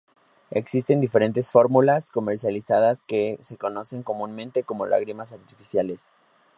Existen diferentes fórmulas comercializadas que se conocen comúnmente como lágrimas artificiales.